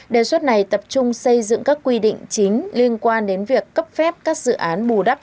đề xuất này tập trung xây dựng các quy định chính liên quan đến việc cấp phép các dự án bù đắp